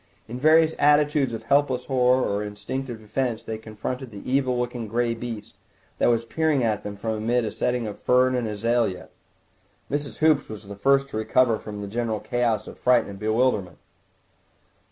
In various attitudes of helpless horror or instinctive defence they confronted the evil looking grey beast that was peering at them from amid a setting of fern and azalea. Mrs. Hoops was the first to recover from the general chaos of fright and bewilderment.